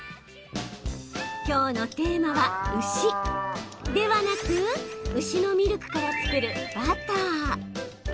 きょうのテーマは、牛！ではなく牛のミルクから作るバター。